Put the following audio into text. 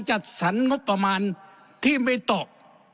จัดสรรงบประมาณที่ไม่ตก